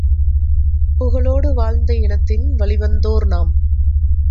புகழோடு வாழ்ந்த இனத்தின் வழிவந்தோர் நாம்.